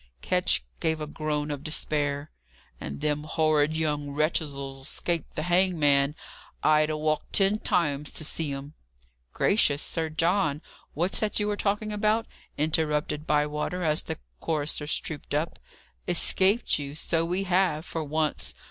Ketch gave a groan of despair. "And them horrid young wretches'll escape the hangman! I'd ha' walked ten miles to see em " "Gracious, Sir John, what's that you are talking about?" interrupted Bywater, as the choristers trooped up, "Escaped you! so we have, for once.